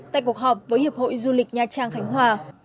tại cuộc họp với hiệp hội du lịch nha trang khánh hòa